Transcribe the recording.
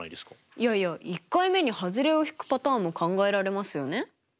いやいや１回目にハズレをひくパターンも考えられますよね？